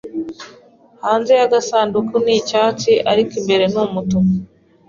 Hanze y'aka gasanduku ni icyatsi, ariko imbere ni umutuku.